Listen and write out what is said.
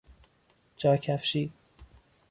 جاکفشی